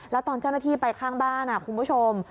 แล้วตอนเจ้าหน้าที่ไปข้างบ้านคุณผู้ชม